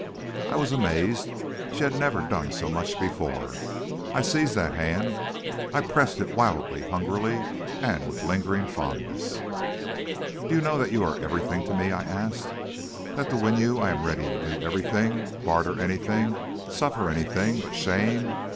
"I was amazed; she had never done so much before. I seized that hand, I pressed it wildly, hungrily, and with lingering fondness. "'Do you not know that you are everything to me?' I asked. 'That to win you I am ready to do everything, barter anything, suffer anything but shame!